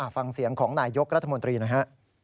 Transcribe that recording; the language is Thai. ฟังเสียงของนายยกรัฐมนตรีหน่อยฮะ